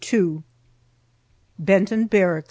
BENTON BARRACKS.